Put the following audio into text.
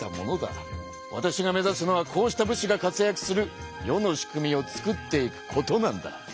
わたしが目ざすのはこうした武士が活やくする世の仕組みをつくっていくことなんだ。